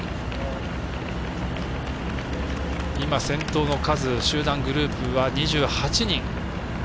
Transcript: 先頭の数、集団グループは２８人。